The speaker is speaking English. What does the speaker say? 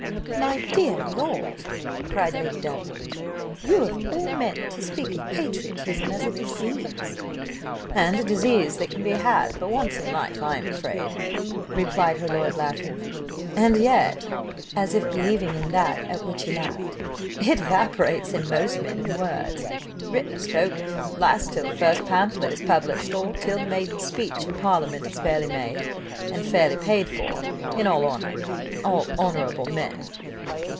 "My dear lord," cried Lady Davenant, "you, of all men, to speak of patriotism as a disease!" "And a disease that can be had but once in life, I am afraid," replied her lord laughing; "and yet," as if believing in that at which he laughed, "it evaporates in most men in words, written or spoken, lasts till the first pamphlet is published, or till the maiden speech in parliament is fairly made, and fairly paid for in all honour all honourable men."